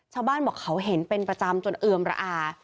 ชาวบ้านบอกเขาเห็นเป็นประจำจนเอือมระอา